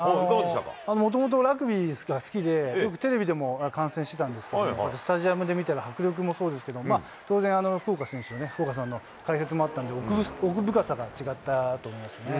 もともとラグビーが好きで、よくテレビでも観戦してたんですけれども、スタジアムで見たら迫力もそうですけども、当然、福岡選手、福岡さんの解説もあったんで、奥深さが違ったと思いますね。